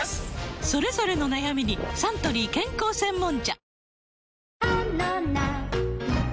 それぞれの悩みにサントリー健康専門茶